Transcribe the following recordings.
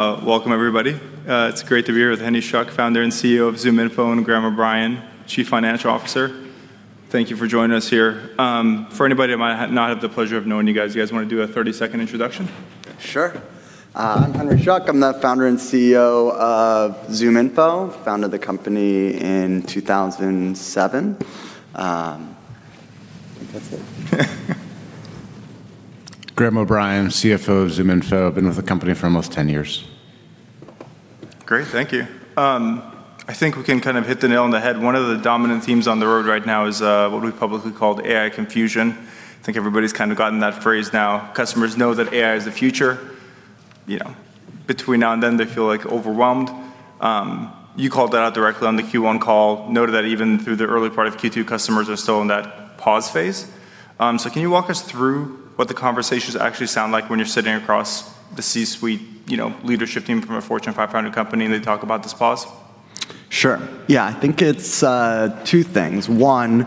Welcome everybody. It's great to be here with Henry Schuck, Founder and CEO of ZoomInfo, and Graham O'Brien, Chief Financial Officer. Thank you for joining us here. For anybody that might not had the pleasure of knowing you guys, you guys wanna do a 30-second introduction? Sure. I'm Henry Schuck. I'm the Founder and CEO of ZoomInfo, founded the company in 2007. I think that's it. Graham O'Brien, CFO of ZoomInfo. I've been with the company for almost 10 years. Great. Thank you. I think we can kind of hit the nail on the head. One of the dominant themes on the road right now is what we publicly call AI confusion. I think everybody's kind of gotten that phrase now. Customers know that AI is the future. You know, between now and then they feel, like, overwhelmed. You called that out directly on the Q1 call, noted that even through the early part of Q2, customers are still in that pause phase. Can you walk us through what the conversations actually sound like when you're sitting across the C-suite, you know, leadership team from a Fortune 500 company, and they talk about this pause? Sure. Yeah, I think it's two things. One,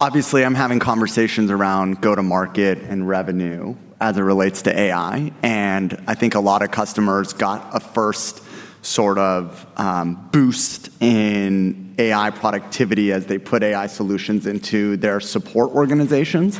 obviously I'm having conversations around go-to-market and revenue as it relates to AI, and I think a lot of customers got a first sort of boost in AI productivity as they put AI solutions into their support organizations.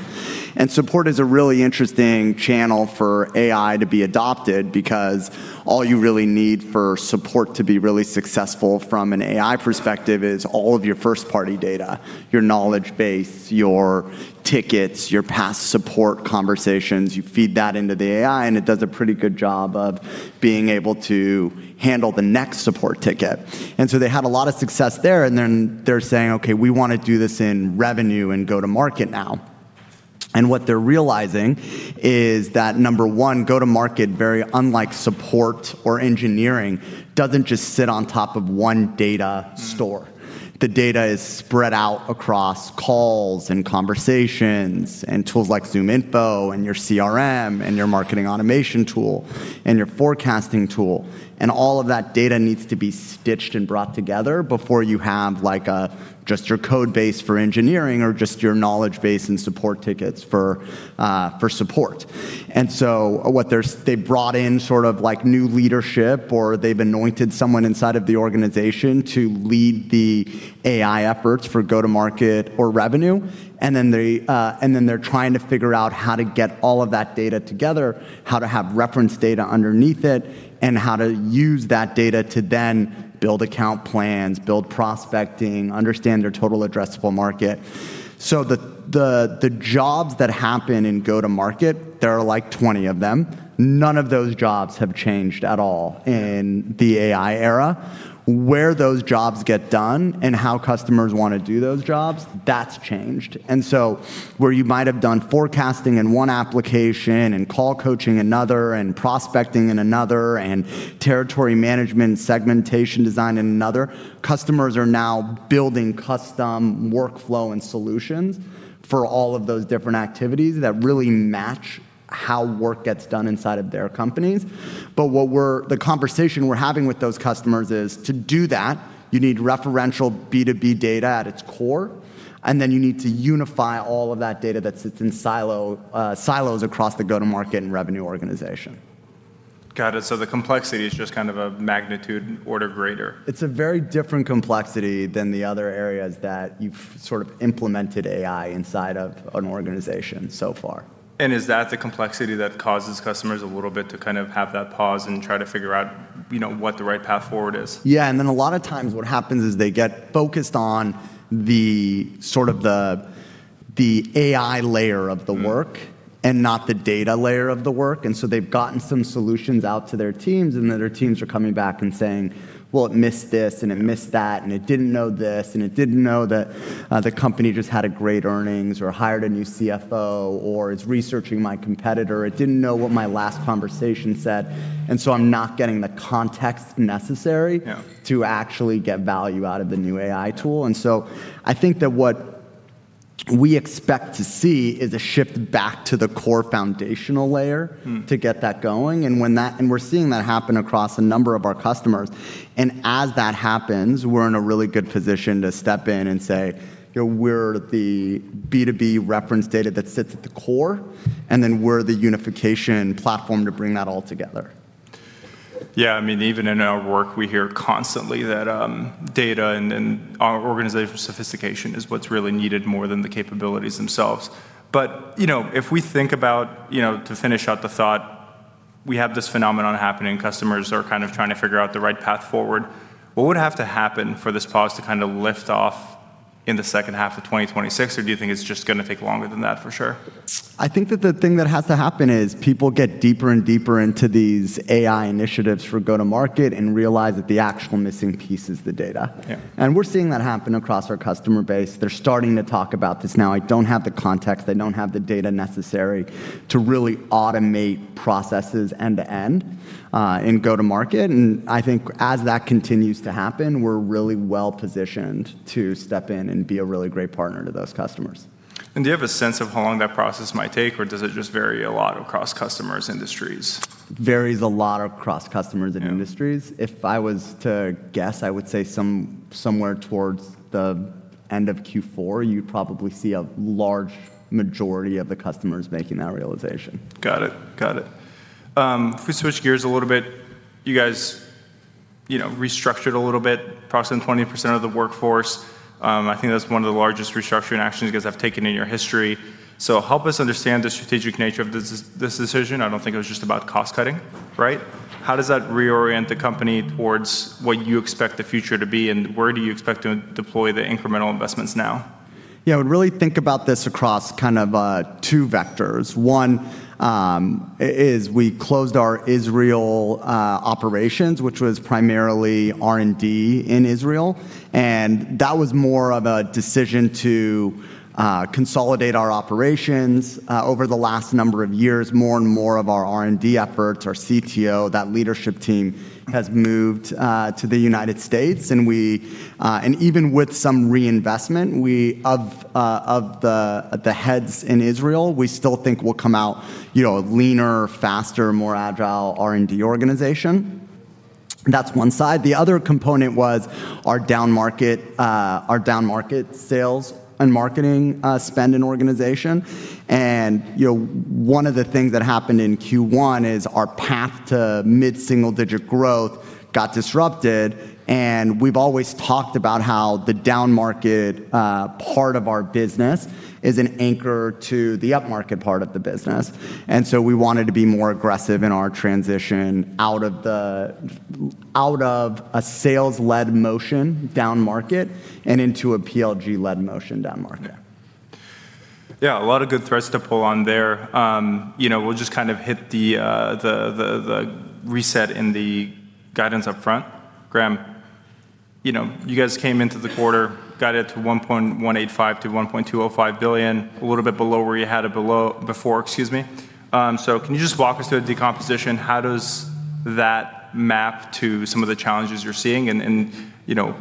Support is a really interesting channel for AI to be adopted because all you really need for support to be really successful from an AI perspective is all of your first party data, your knowledge base, your tickets, your past support conversations. You feed that into the AI, and it does a pretty good job of being able to handle the next support ticket. They had a lot of success there, and then they're saying, "Okay, we wanna do this in revenue and go-to-market now." What they're realizing is that, number one, go-to-market, very unlike support or engineering, doesn't just sit on top of one data store. The data is spread out across calls and conversations and tools like ZoomInfo and your CRM and your marketing automation tool and your forecasting tool. All of that data needs to be stitched and brought together before you have just your code base for engineering or just your knowledge base and support tickets for support. What they've brought in sort of like new leadership, or they've anointed someone inside of the organization to lead the AI efforts for go-to-market or revenue. They're trying to figure out how to get all of that data together, how to have reference data underneath it, and how to use that data to then build account plans, build prospecting, understand their total addressable market. The jobs that happen in go-to-market, there are like 20 of them, none of those jobs have changed at all in the AI era. Where those jobs get done and how customers wanna do those jobs, that's changed. Where you might have done forecasting in one application and call coaching another and prospecting in another and territory management and segmentation design in another, customers are now building custom workflow and solutions for all of those different activities that really match how work gets done inside of their companies. The conversation we're having with those customers is to do that you need referential B2B data at its core, and then you need to unify all of that data that sits in silo, silos across the go-to-market and revenue organization. Got it. The complexity is just kind of a magnitude order greater. It's a very different complexity than the other areas that you've sort of implemented AI inside of an organization so far. Is that the complexity that causes customers a little bit to kind of have that pause and try to figure out, you know, what the right path forward is? Yeah, a lot of times what happens is they get focused on the sort of the AI layer of the work. Not the data layer of the work, and so they've gotten some solutions out to their teams, and then their teams are coming back and saying, "Well, it missed this, and it missed that, and it didn't know this, and it didn't know that, the company just had a great earnings or hired a new CFO or is researching my competitor. It didn't know what my last conversation said, and so I'm not getting the context necessary. Yeah to actually get value out of the new AI tool." I think that what we expect to see is a shift back to the core foundational layer. to get that going, we're seeing that happen across a number of our customers. As that happens, we're in a really good position to step in and say, "We're the B2B reference data that sits at the core, and then we're the unification platform to bring that all together. I mean, even in our work we hear constantly that data and organizational sophistication is what's really needed more than the capabilities themselves. You know, if we think about, you know, to finish out the thought, we have this phenomenon happening. Customers are kind of trying to figure out the right path forward. What would have to happen for this pause to kind of lift off in the second half of 2026, or do you think it's just gonna take longer than that for sure? I think that the thing that has to happen is people get deeper and deeper into these AI initiatives for go-to-market and realize that the actual missing piece is the data. Yeah. We're seeing that happen across our customer base. They're starting to talk about this now. I don't have the context. They don't have the data necessary to really automate processes end to end in go-to-market, and I think as that continues to happen, we're really well-positioned to step in and be a really great partner to those customers. Do you have a sense of how long that process might take, or does it just vary a lot across customers, industries? Varies a lot across customers and industries. Yeah. If I was to guess, I would say somewhere towards the end of Q4, you'd probably see a large majority of the customers making that realization. Got it. Got it. If we switch gears a little bit, you guys, you know, restructured a little bit, approximately 20% of the workforce. I think that's one of the largest restructuring actions you guys have taken in your history. Help us understand the strategic nature of this decision. I don't think it was just about cost-cutting, right? How does that reorient the company towards what you expect the future to be, and where do you expect to deploy the incremental investments now? Yeah. I would really think about this across two vectors. One, we closed our Israel operations, which was primarily R&D in Israel, and that was more of a decision to consolidate our operations. Over the last number of years, more and more of our R&D efforts, our CTO, that leadership team has moved to the United States. Even with some reinvestment, we of the heads in Israel, we still think we'll come out, you know, a leaner, faster, more agile R&D organization. That's one side. The other component was our down-market sales and marketing spend and organization. You know, one of the things that happened in Q1 is our path to mid-single-digit growth got disrupted, and we've always talked about how the down-market part of our business is an anchor to the up-market part of the business. We wanted to be more aggressive in our transition out of a sales-led motion down market and into a PLG-led motion down market. Yeah. A lot of good threads to pull on there. You know, we'll just kind of hit the reset in the guidance up front. Graham, you know, you guys came into the quarter, got it to $1.185 billion-$1.205 billion, a little bit below where you had it before, excuse me. Can you just walk us through a decomposition? How does that map to some of the challenges you're seeing and, you know,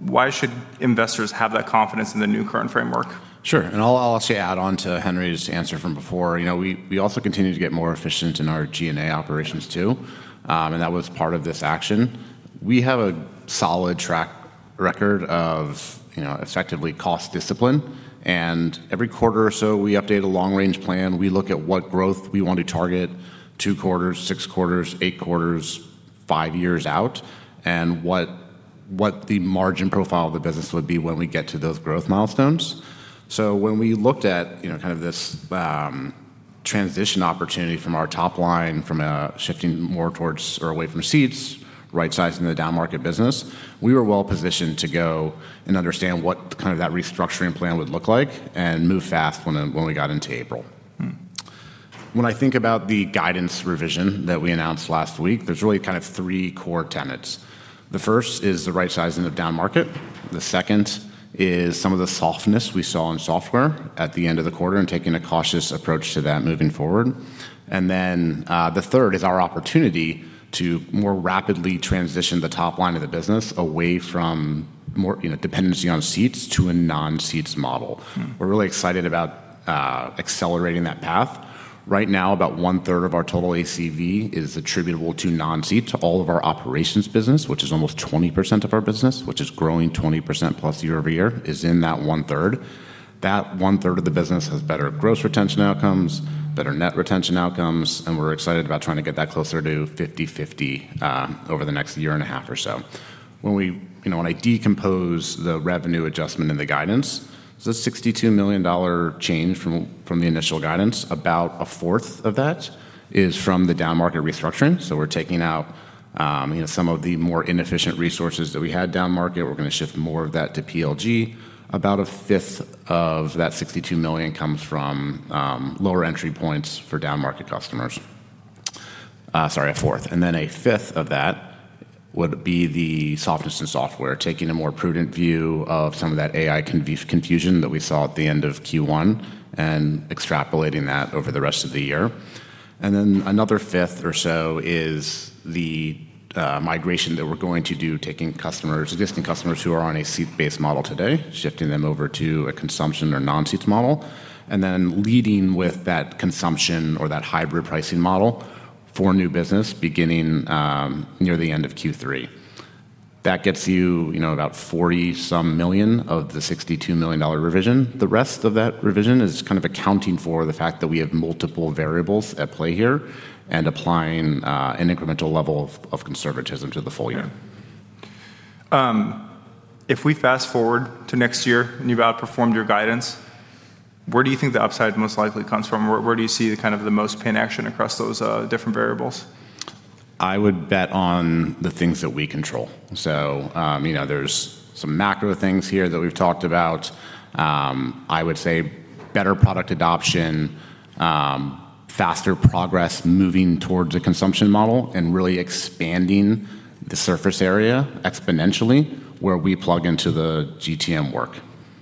why should investors have that confidence in the new current framework? Sure. I'll actually add on to Henry's answer from before. You know, we also continue to get more efficient in our G&A operations too, and that was part of this action. We have a solid track record of, you know, effectively cost discipline, and every quarter or so, we update a long-range plan. We look at what growth we want to target two quarters, six quarters, eight quarters, five years out, and what the margin profile of the business would be when we get to those growth milestones. When we looked at, you know, kind of this transition opportunity from our top line from shifting more towards or away from seats, right-sizing the down-market business, we were well-positioned to go and understand what kind of that restructuring plan would look like and move fast when we got into April. When I think about the guidance revision that we announced last week, there's really kind of three core tenets. The first is the rightsizing of down market. The second is some of the softness we saw in software at the end of the quarter and taking a cautious approach to that moving forward. Then, the third is our opportunity to more rapidly transition the top line of the business away from more, you know, dependency on seats to a non-seats model. We're really excited about accelerating that path. Right now, about 1/3 of our total ACV is attributable to non-seats. All of our operations business, which is almost 20% of our business, which is growing 20%+ year-over-year, is in that 1/3. That 1/3 of the business has better gross retention outcomes, better net retention outcomes, and we're excited about trying to get that closer to 50/50 over the next year and a half or so. When I decompose the revenue adjustment and the guidance, the $62 million change from the initial guidance. About 1/4 of that is from the down-market restructuring, we're taking out some of the more inefficient resources that we had down market. We're gonna shift more of that to PLG. About 1/5 of that $62 million comes from lower entry points for down-market customers. Sorry, 1/4. A fifth of that would be the softness in software, taking a more prudent view of some of that AI confusion that we saw at the end of Q1 and extrapolating that over the rest of the year. Another 1/5 or so is the migration that we're going to do, taking customers, existing customers who are on a seat-based model today, shifting them over to a consumption or non-seats model, and then leading with that consumption or that hybrid pricing model for new business beginning near the end of Q3. That gets you know, about $40 some million of the $62 million revision. The rest of that revision is kind of accounting for the fact that we have multiple variables at play here and applying an incremental level of conservatism to the full year. Yeah. If we fast-forward to next year, and you've outperformed your guidance, where do you think the upside most likely comes from? Where do you see the kind of the most pain action across those different variables? I would bet on the things that we control. You know, there's some macro things here that we've talked about. I would say better product adoption, faster progress moving towards a consumption model, and really expanding the surface area exponentially where we plug into the GTM work.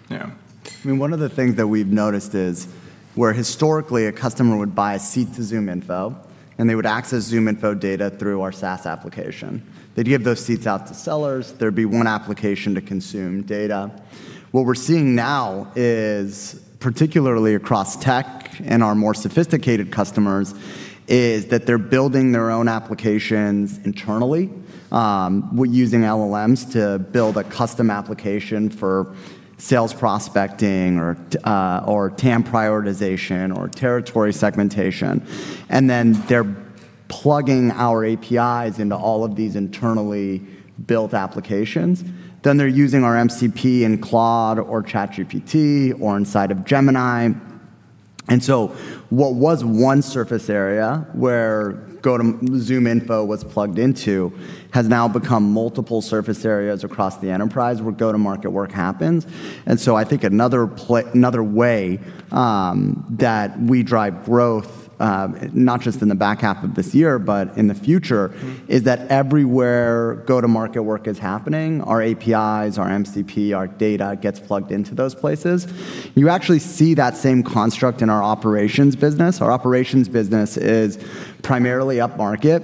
Yeah. I mean, one of the things that we've noticed is where historically a customer would buy a seat to ZoomInfo. They would access ZoomInfo data through our SaaS application. They'd give those seats out to sellers, there'd be one application to consume data. What we're seeing now is, particularly across tech and our more sophisticated customers, is that they're building their own applications internally, with using LLMs to build a custom application for sales prospecting or TAM prioritization or territory segmentation. They're plugging our APIs into all of these internally built applications. They're using our MCP in Claude or ChatGPT or inside of Gemini. What was one surface area where ZoomInfo was plugged into has now become multiple surface areas across the enterprise where go-to-market work happens. I think another way that we drive growth, not just in the back half of this year, but in the future, is that everywhere go-to-market work is happening, our APIs, our MCP, our data gets plugged into those places. You actually see that same construct in our operations business. Our operations business is primarily up-market,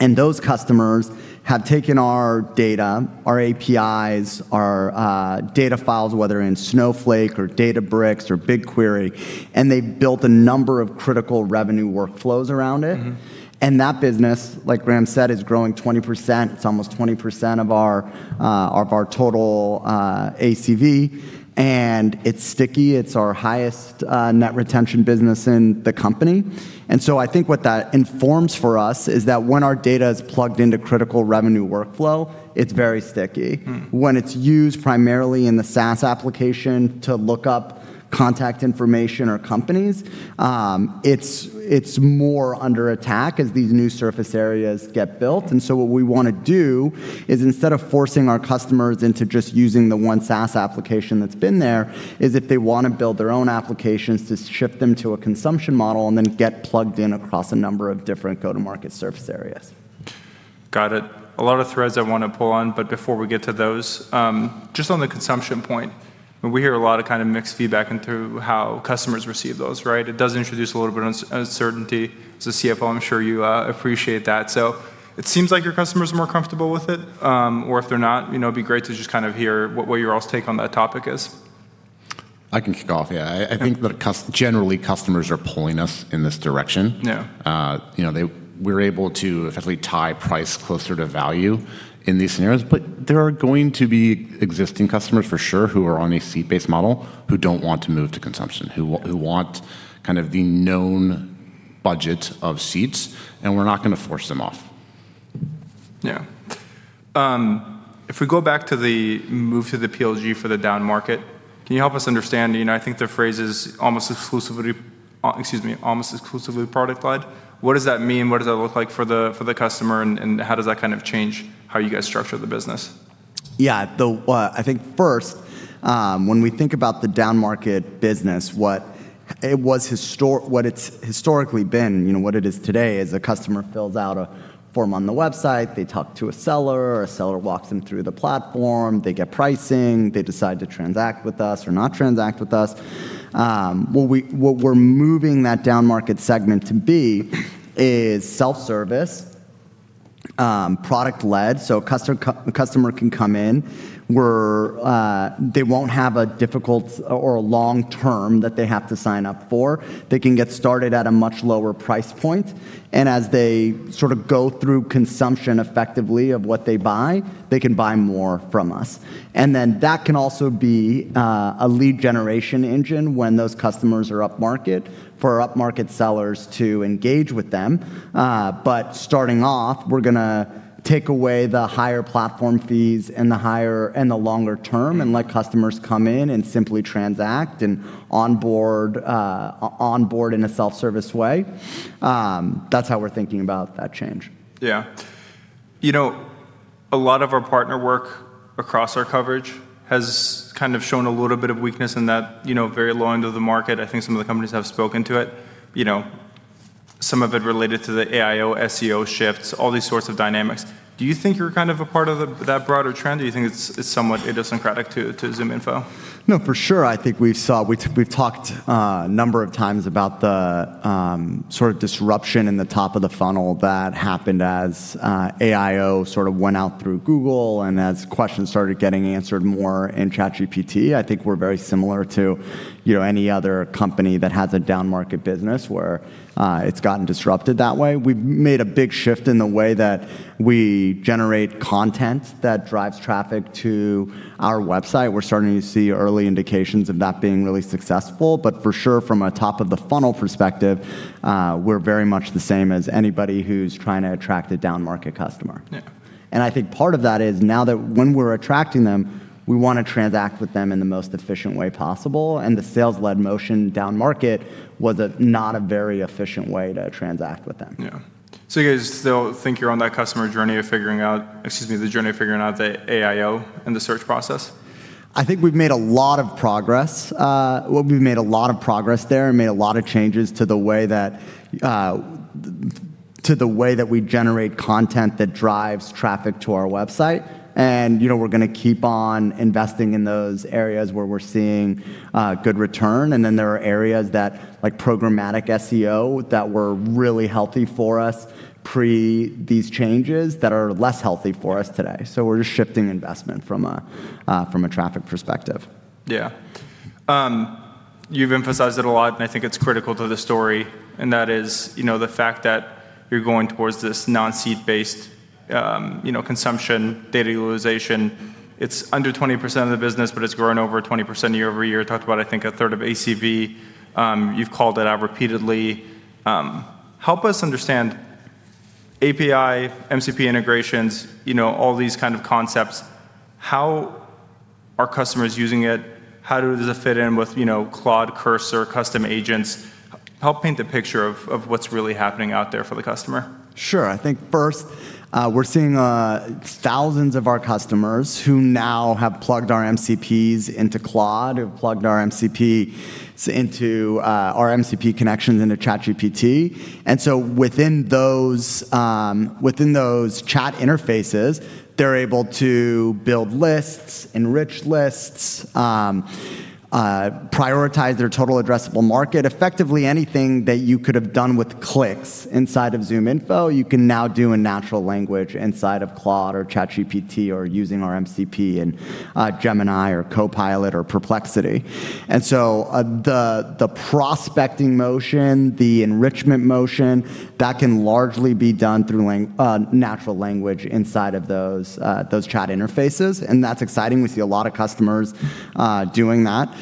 and those customers have taken our data, our APIs, our data files, whether in Snowflake or Databricks or BigQuery, and they've built a number of critical revenue workflows around it. That business, like Graham said, is growing 20%. It's almost 20% of our of our total ACV, and it's sticky. It's our highest net retention business in the company. I think what that informs for us is that when our data is plugged into critical revenue workflow, it's very sticky. When it's used primarily in the SaaS application to look up contact information or companies, it's more under attack as these new surface areas get built. What we wanna do is instead of forcing our customers into just using the one SaaS application that's been there, is if they wanna build their own applications, to ship them to a consumption model and then get plugged in across a number of different go-to-market surface areas. Got it. A lot of threads I wanna pull on, but before we get to those, just on the consumption point, we hear a lot of kind of mixed feedback in through how customers receive those, right? It does introduce a little bit uncertainty. As a CFO, I'm sure you appreciate that. It seems like your customer's more comfortable with it, or if they're not, you know, it'd be great to just kind of hear what your all's take on that topic is. I can kick off. I think that generally customers are pulling us in this direction. Yeah. You know, we're able to effectively tie price closer to value in these scenarios, but there are going to be existing customers for sure who are on a seat-based model who don't want to move to consumption, who want kind of the known budget of seats, and we're not gonna force them off. If we go back to the move to the PLG for the downmarket, can you help us understand, you know, I think the phrase is almost exclusively, excuse me, almost exclusively product-led. What does that mean? What does that look like for the customer, and how does that kind of change how you guys structure the business? Yeah. I think first, when we think about the downmarket business, what it's historically been, you know, what it is today is a customer fills out a form on the website, they talk to a seller, a seller walks them through the platform, they get pricing, they decide to transact with us or not transact with us. What we're moving that downmarket segment to be is self-service, product-led, so a customer can come in where they won't have a difficult or a long term that they have to sign up for. They can get started at a much lower price point, and as they sort of go through consumption effectively of what they buy, they can buy more from us. That can also be a lead generation engine when those customers are upmarket for our upmarket sellers to engage with them. Starting off, we're gonna take away the higher platform fees and the longer term and let customers come in and simply transact and onboard in a self-service way. That's how we're thinking about that change. You know, a lot of our partner work across our coverage has kind of shown a little bit of weakness in that, you know, very low end of the market. I think some of the companies have spoken to it, you know, some of it related to the AIO, SEO shifts, all these sorts of dynamics. Do you think you're kind of a part of that broader trend, or you think it's somewhat idiosyncratic to ZoomInfo? No, for sure, I think we've talked a number of times about the sort of disruption in the top of the funnel that happened as AIO sort of went out through Google and as questions started getting answered more in ChatGPT. I think we're very similar to, you know, any other company that has a downmarket business where it's gotten disrupted that way. We've made a big shift in the way that we generate content that drives traffic to our website. We're starting to see early indications of that being really successful. For sure from a top of the funnel perspective, we're very much the same as anybody who's trying to attract a downmarket customer. Yeah. I think part of that is now that when we're attracting them, we wanna transact with them in the most efficient way possible, and the sales-led motion downmarket was a, not a very efficient way to transact with them. Yeah. You guys still think you're on that customer journey of figuring out, excuse me, the journey of figuring out the AIO and the search process? I think we've made a lot of progress. We've made a lot of progress there and made a lot of changes to the way that we generate content that drives traffic to our website. You know, we're gonna keep on investing in those areas where we're seeing good return. There are areas that, like programmatic SEO, that were really healthy for us pre these changes that are less healthy for us today. We're just shifting investment from a traffic perspective. Yeah. You've emphasized it a lot, I think it's critical to the story, that is, you know, the fact that you're going towards this non-seat-based, you know, consumption, data utilization. It's under 20% of the business, It's grown over 20% year-over-year. Talked about, I think, a third of ACV. You've called it out repeatedly. Help us understand API, MCP integrations, you know, all these kind of concepts. How are customers using it? How does it fit in with, you know, Claude, Cursor, custom agents? Help paint the picture of what's really happening out there for the customer. Sure. I think first, we're seeing thousands of our customers who now have plugged our MCPs into Claude, who have plugged our MCP connections into ChatGPT. Within those, within those chat interfaces, they're able to build lists, enrich lists, prioritize their total addressable market. Effectively anything that you could have done with clicks inside of ZoomInfo, you can now do in natural language inside of Claude or ChatGPT or using our MCP in Gemini or Copilot or Perplexity. The prospecting motion, the enrichment motion, that can largely be done through natural language inside of those chat interfaces, and that's exciting. We see a lot of customers doing that.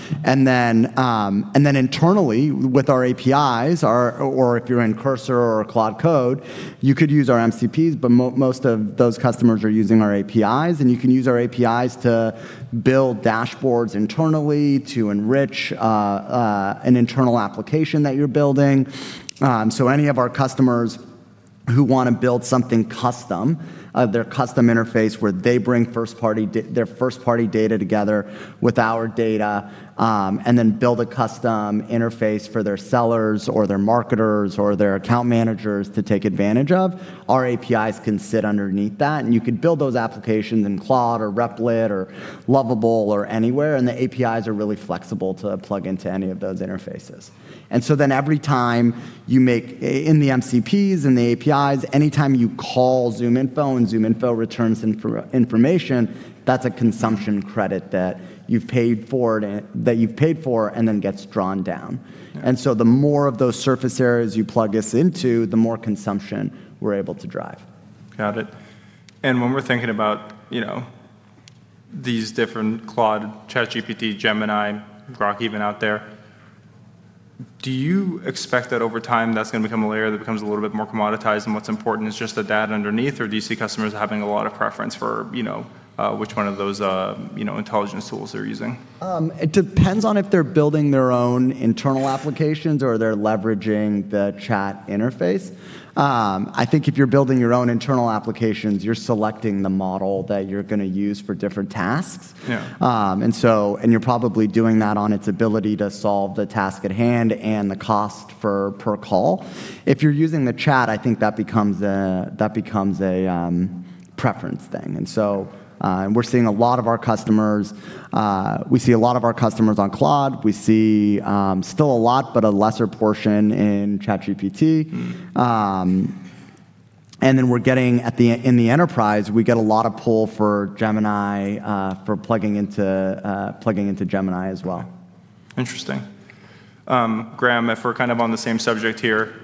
Internally with our APIs, or if you're in Cursor or Claude Code, you could use our MCPs, but most of those customers are using our APIs. You can use our APIs to build dashboards internally to enrich an internal application that you're building. Any of our customers who want to build something custom, their custom interface where they bring their first party data together with our data, build a custom interface for their sellers or their marketers or their account managers to take advantage of, our APIs can sit underneath that. You could build those applications in Claude or Replit or Lovable or anywhere. The APIs are really flexible to plug into any of those interfaces. Every time you make a, in the MCPs, in the APIs, anytime you call ZoomInfo and ZoomInfo returns information, that's a consumption credit that you've paid for and then gets drawn down. Yeah. The more of those surface areas you plug us into, the more consumption we're able to drive. Got it. When we're thinking about, you know, these different Claude, ChatGPT, Gemini, Groq even out there, do you expect that over time that's gonna become a layer that becomes a little bit more commoditized and what's important is just the data underneath? Or do you see customers having a lot of preference for, you know, which one of those, you know, intelligence tools they're using? It depends on if they're building their own internal applications or they're leveraging the chat interface. I think if you're building your own internal applications, you're selecting the model that you're going to use for different tasks. Yeah. You're probably doing that on its ability to solve the task at hand and the cost per call. If you're using the chat, I think that becomes a preference thing. We're seeing a lot of our customers on Claude. We see still a lot, but a lesser portion in ChatGPT. Then we're getting in the enterprise, we get a lot of pull for Gemini, for plugging into Gemini as well. Interesting. Graham, if we're kind of on the same subject here,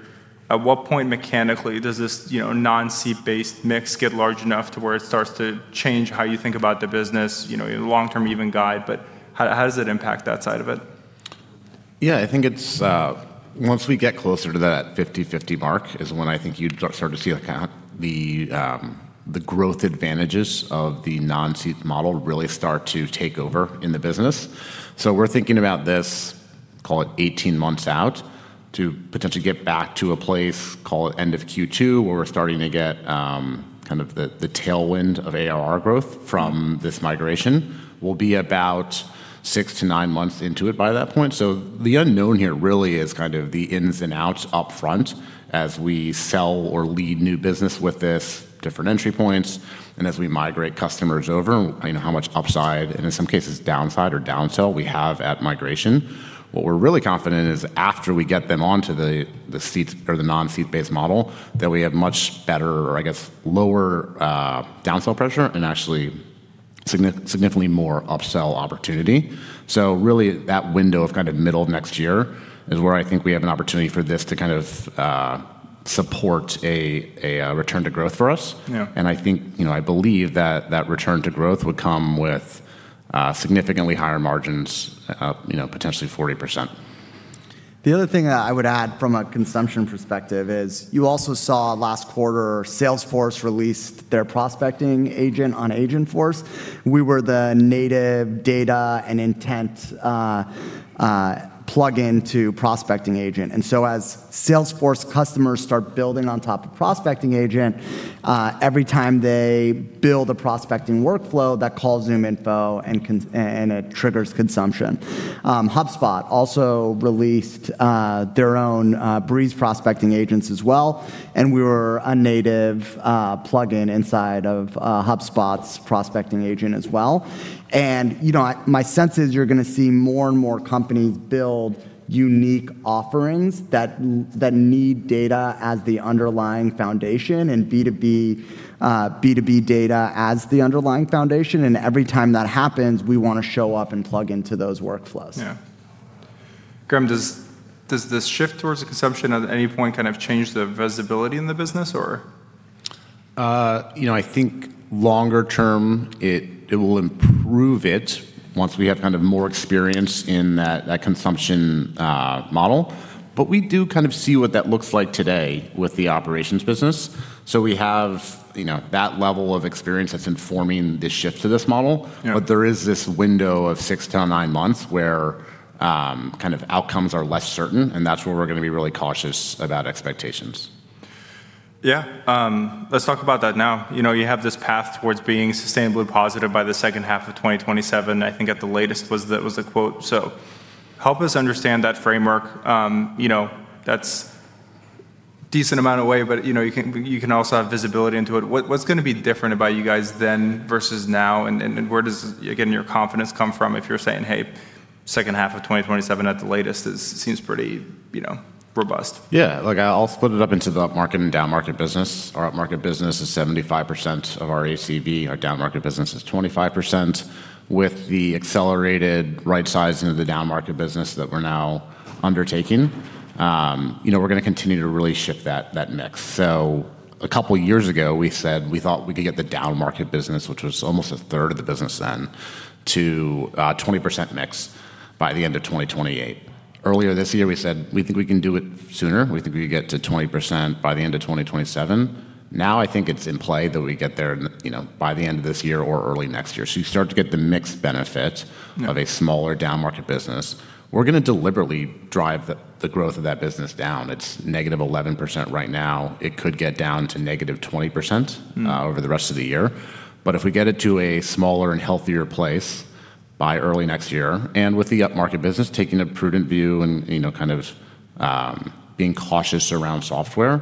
at what point mechanically does this, you know, non-seat-based mix get large enough to where it starts to change how you think about the business, you know, long-term even guide, but how does it impact that side of it? I think it's once we get closer to that 50/50 mark is when I think you'd start to see like how the growth advantages of the non-seed model really start to take over in the business. We're thinking about this, call it 18 months out, to potentially get back to a place, call it end of Q2, where we're starting to get kind of the tailwind of ARR growth from this migration. We'll be about six-nine months into it by that point. The unknown here really is kind of the ins and outs up front as we sell or lead new business with this, different entry points, and as we migrate customers over, you know, how much upside, and in some cases downside or downsell we have at migration. What we're really confident is after we get them onto the seed or the non-seat-based model, that we have much better or I guess lower, downsell pressure and actually significantly more upsell opportunity. Really that window of kind of middle of next year is where I think we have an opportunity for this to kind of, support a return to growth for us. Yeah. I think, you know, I believe that that return to growth would come with, significantly higher margins, up, you know, potentially 40%. The other thing that I would add from a consumption perspective is you also saw last quarter Salesforce released their prospecting agent on Agentforce. We were the native data and intent plug-in to prospecting agent. As Salesforce customers start building on top of prospecting agent, every time they build a prospecting workflow, that calls ZoomInfo and it triggers consumption. HubSpot also released their own Breeze prospecting agents as well, and we were a native plugin inside of HubSpot's prospecting agent as well. You know, my sense is you're gonna see more and more companies build unique offerings that need data as the underlying foundation and B2B data as the underlying foundation. Every time that happens, we wanna show up and plug into those workflows. Yeah. Graham, does this shift towards the consumption at any point kind of change the visibility in the business or? You know, I think longer term it will improve it once we have kind of more experience in that consumption model. We do kind of see what that looks like today with the operations business. We have, you know, that level of experience that's informing the shift to this model. Yeah. There is this window of six-nine months where, kind of outcomes are less certain, and that's where we're gonna be really cautious about expectations. Yeah. Let's talk about that now. You know, you have this path towards being sustainably positive by the second half of 2027, I think at the latest was the, was the quote. Help us understand that framework. You know, that's decent amount of way, but, you know, you can also have visibility into it. What's gonna be different about you guys then versus now? And where does, again, your confidence come from if you're saying, "Hey, second half of 2027 at the latest," is seems pretty, you know, robust. Yeah. Look, I'll split it up into the up-market and down-market business. Our up-market business is 75% of our ACV. Our down-market business is 25%. With the accelerated right sizing of the down-market business that we're now undertaking, you know, we're gonna continue to really shift that mix. A couple years ago, we said we thought we could get the down-market business, which was almost a third of the business then, to 20% mix by the end of 2028. Earlier this year, we said we think we can do it sooner. We think we could get to 20% by the end of 2027. Now, I think it's in play that we get there, you know, by the end of this year or early next year. You start to get the mixed benefit. Yeah of a smaller down-market business. We're gonna deliberately drive the growth of that business down. It's -11% right now. It could get down to -20%. Over the rest of the year. If we get it to a smaller and healthier place by early next year, and with the upmarket business taking a prudent view and, you know, kind of, being cautious around software,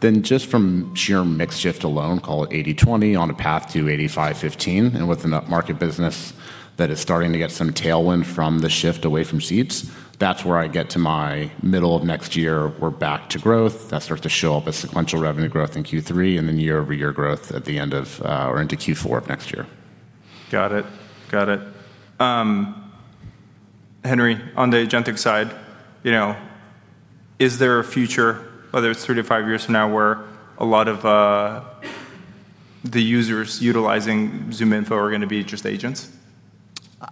then just from sheer mix shift alone, call it 80/20 on a path to 85/15, and with an upmarket business that is starting to get some tailwind from the shift away from seats, that's where I get to my middle of next year, we're back to growth. That starts to show up as sequential revenue growth in Q3 and then year-over-year growth at the end of, or into Q4 of next year. Got it. Got it. Henry, on the agentic side, you know, is there a future, whether it's 3-5 years from now, where a lot of the users utilizing ZoomInfo are gonna be just agents?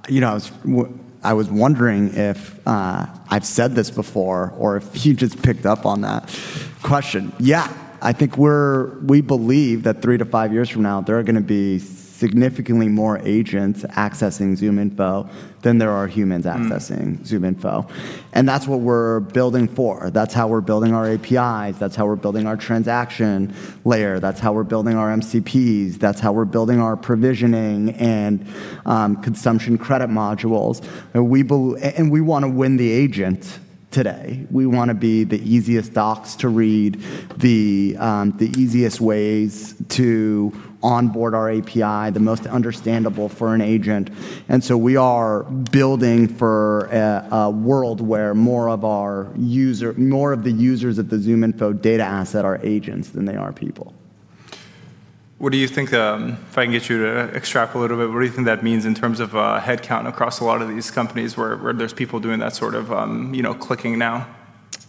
You know, I was wondering if I've said this before or if you just picked up on that question. Yeah, I think we believe that three to five years from now, there are gonna be significantly more agents accessing ZoomInfo than there are humans accessing ZoomInfo. That's what we're building for. That's how we're building our APIs. That's how we're building our transaction layer. That's how we're building our MCPs. That's how we're building our provisioning and consumption credit modules. We wanna win the agent today. We wanna be the easiest docs to read, the easiest ways to onboard our API, the most understandable for an agent. So we are building for a world where more of the users of the ZoomInfo data asset are agents than they are people. What do you think, if I can get you to extrapolate a bit, what do you think that means in terms of headcount across a lot of these companies where there's people doing that sort of, you know, clicking now?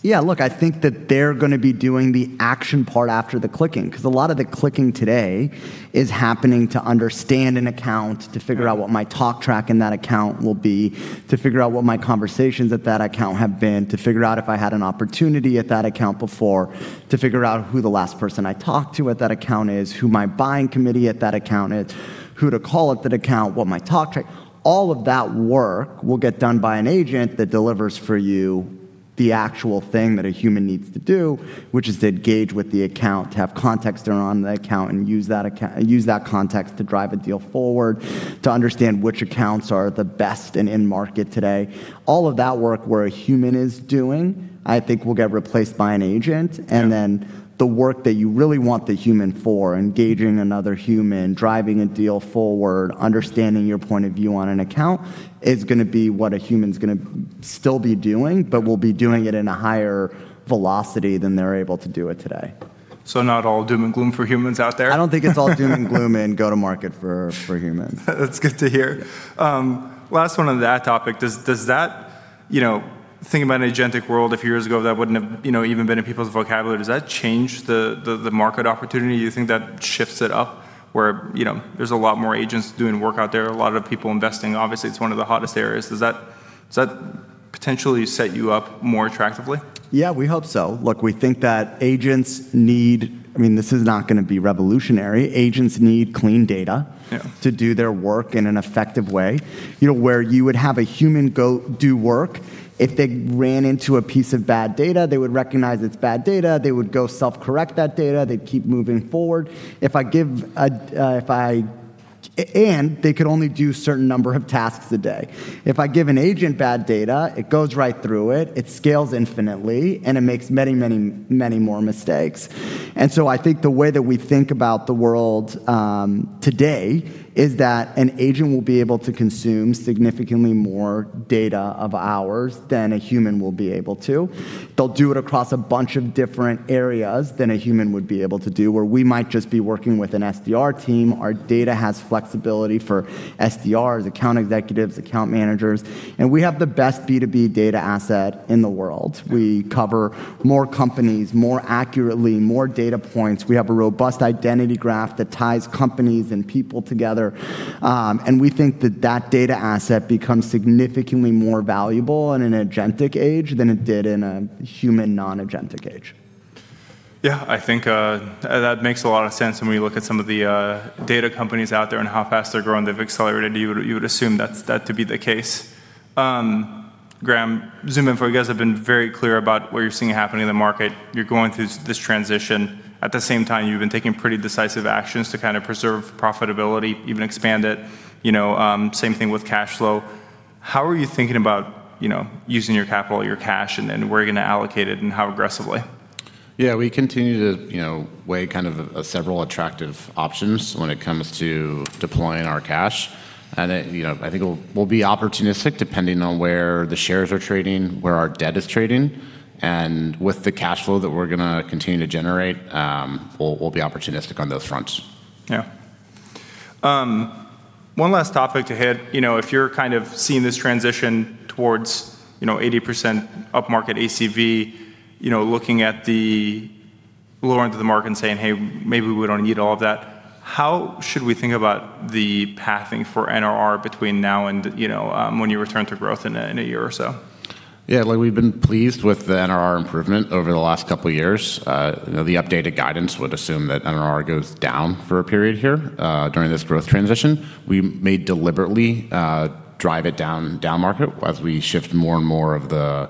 Yeah, look, I think that they're gonna be doing the action part after the clicking, 'cause a lot of the clicking today is happening to understand an account, to figure out what my talk track in that account will be, to figure out what my conversations at that account have been, to figure out if I had an opportunity at that account before, to figure out who the last person I talked to at that account is, who my buying committee at that account is, who to call at that account. All of that work will get done by an agent that delivers for you the actual thing that a human needs to do, which is to engage with the account, to have context around the account and use that context to drive a deal forward, to understand which accounts are the best and in market today. All of that work where a human is doing, I think will get replaced by an agent. Yeah. The work that you really want the human for, engaging another human, driving a deal forward, understanding your point of view on an account, is gonna be what a human's gonna still be doing, but will be doing it in a higher velocity than they're able to do it today. Not all doom and gloom for humans out there? I don't think it's all doom and gloom in go-to-market for humans. That's good to hear. Last one on that topic. Does that, you know, thinking about an agentic world a few years ago, that wouldn't have, you know, even been in people's vocabulary. Does that change the market opportunity? Do you think that shifts it up? Where, you know, there's a lot more agents doing work out there, a lot of people investing. Obviously, it's one of the hottest areas. Does that potentially set you up more attractively? Yeah, we hope so. Look, we think that agents, I mean, this is not gonna be revolutionary. Agents need clean data Yeah To do their work in an effective way. You know, where you would have a human go do work, if they ran into a piece of bad data, they would recognize it's bad data, they would go self-correct that data, they'd keep moving forward. They could only do a certain number of tasks a day. If I give an agent bad data, it goes right through it scales infinitely, and it makes many, many, many more mistakes. I think the way that we think about the world today is that an agent will be able to consume significantly more data of ours than a human will be able to. They'll do it across a bunch of different areas than a human would be able to do. Where we might just be working with an SDR team, our data has flexibility for SDRs, account executives, account managers, and we have the best B2B data asset in the world. We cover more companies more accurately, more data points. We have a robust identity graph that ties companies and people together. We think that that data asset becomes significantly more valuable in an agentic age than it did in a human, non-agentic age. Yeah, I think that makes a lot of sense when we look at some of the data companies out there and how fast they're growing. They've accelerated. You would assume that to be the case. Graham, ZoomInfo, you guys have been very clear about what you're seeing happening in the market. You're going through this transition. At the same time, you've been taking pretty decisive actions to kind of preserve profitability, even expand it. You know, same thing with cash flow. How are you thinking about, you know, using your capital, your cash, and then where you're gonna allocate it, and how aggressively? Yeah. We continue to, you know, weigh kind of several attractive options when it comes to deploying our cash, and it, you know, I think we'll be opportunistic depending on where the shares are trading, where our debt is trading. With the cash flow that we're gonna continue to generate, we'll be opportunistic on those fronts. One last topic to hit. You know, if you're kind of seeing this transition towards, you know, 80% up-market ACV, you know, looking at the lower end of the market and saying, "Hey, maybe we don't need all of that," how should we think about the pathing for NRR between now and, you know, when you return to growth in a year or so? Yeah. Look, we've been pleased with the NRR improvement over the last couple years. You know, the updated guidance would assume that NRR goes down for a period here, during this growth transition. We may deliberately drive it down market as we shift more and more of the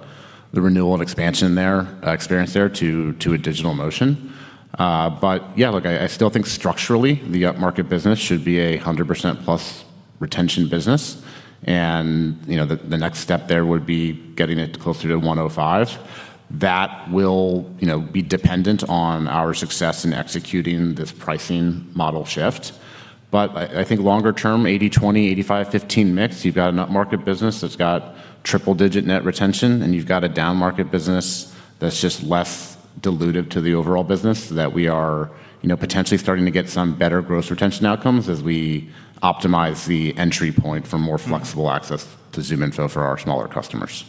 renewal and expansion there, experience there to a digital motion. Yeah, look, I still think structurally the up-market business should be 100% plus retention business, and, you know, the next step there would be getting it closer to 105. That will, you know, be dependent on our success in executing this pricing model shift. I think longer term, 80/20, 85/15 mix, you've got an up-market business that's got triple-digit net retention, you've got a down-market business that's just less dilutive to the overall business that we are, you know, potentially starting to get some better gross retention outcomes as we optimize the entry point for more flexible access to ZoomInfo for our smaller customers.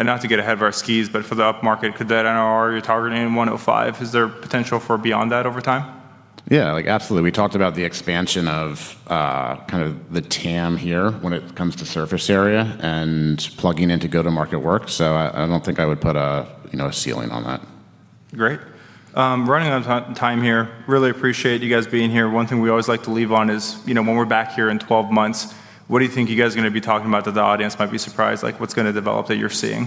Not to get ahead of our skis, but for the up-market, could that NRR, you're targeting 105%, is there potential for beyond that over time? Yeah, like absolutely. We talked about the expansion of kind of the TAM here when it comes to surface area and plugging into go-to-market work. I don't think I would put a, you know, a ceiling on that. Great. Running out of time here. Really appreciate you guys being here. One thing we always like to leave on is, you know, when we're back here in 12 months, what do you think you guys are gonna be talking about that the audience might be surprised? Like, what's gonna develop that you're seeing?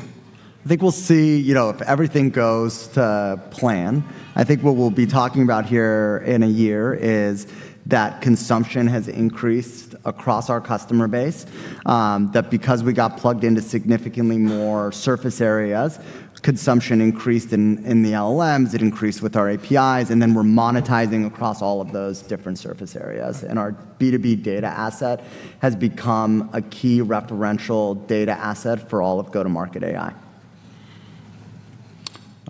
I think we'll see, you know, if everything goes to plan, I think what we'll be talking about here in a year is that consumption has increased across our customer base. That because we got plugged into significantly more surface areas, consumption increased in the LLMs, it increased with our APIs, and then we're monetizing across all of those different surface areas, and our B2B data asset has become a key referential data asset for all of go-to-market AI.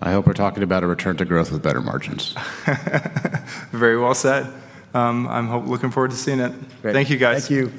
I hope we're talking about a return to growth with better margins. Very well said. I'm looking forward to seeing it. Great. Thank you, guys. Thank you.